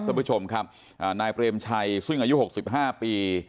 ทุกผู้ชมครับอ่านายเปรมชัยซึ่งอายุหกสิบห้าปี